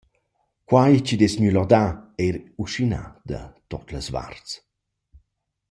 Que chi’d es gnü lodà eir inschinà da tuot las varts.